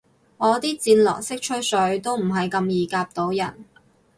我啲戰狼式吹水都唔係咁易夾到人